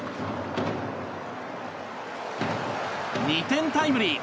２点タイムリー。